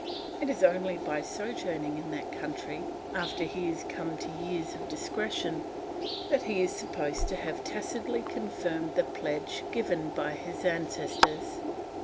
It is only by sojourning in that country, after he has come to years of discretion, that he is supposed to have tacitly confirmed the pledge given by his ancestors.